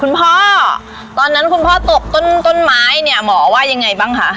คุณพ่อตอนนั้นคุณพ่อตกต้นไม้เนี่ยหมอว่ายังไงบ้างคะ